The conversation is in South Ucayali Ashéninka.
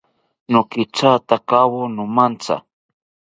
Nokithatakawo nomatha